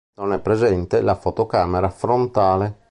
Non è presente la fotocamera frontale.